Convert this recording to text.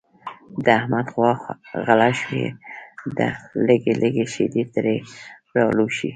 د احمد غوا غله شوې ده لږې لږې شیدې ترې را لوشي.